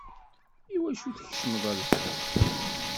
Iwacu tkecmeḍ ɣer lḥebs?